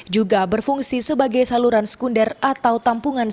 juga berfungsi sebagai saluran sekunder atau tampungan